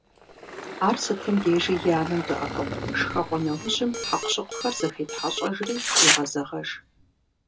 Ар сытым дежи и анэм доӀэпыкъу, шхэгъуэ нэужьым хьэкъущыкъухэр зэхетхьэщӏэжри егъэзэгъэж.